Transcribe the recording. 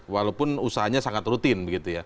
walaupun usahanya sangat rutin begitu ya